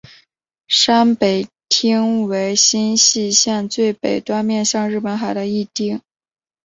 山北町为新舄县最北端面向日本海的一町。